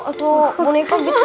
atau boneka gitu